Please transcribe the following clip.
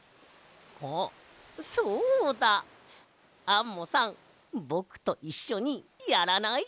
アンモさんぼくといっしょにやらない？